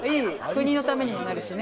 国のためにもなるしね。